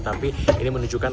tapi ini menunjukkan